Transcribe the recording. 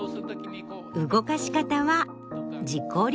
動かし方は自己流。